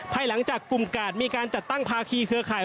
ภายหลังจากกลุ่มกาดมีการจัดตั้งภาคีเครือข่าย